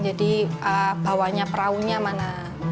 jadi bawanya peraunya mana